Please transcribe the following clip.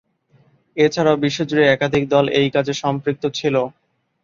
এছাড়াও বিশ্বজুড়ে একাধিক দল এই কাজে সম্পৃক্ত ছিল।